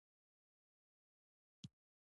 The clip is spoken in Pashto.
ازادي راډیو د اقلیم بدلونونه څارلي.